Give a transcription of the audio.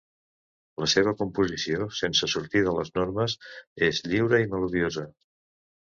La seva composició, sense sortir de les normes, és lliure i melodiosa.